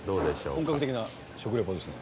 本格的な食リポですね。